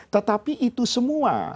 tetapi itu semua